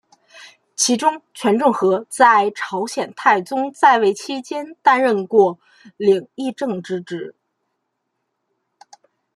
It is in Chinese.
其中权仲和在朝鲜太宗在位期间担任过领议政之职。